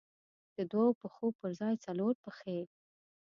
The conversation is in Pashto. د دوو پښو پر ځای څلور پښې.